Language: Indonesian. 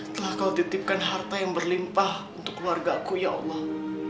telah kau titipkan harta yang berlimpah untuk keluarga aku ya allah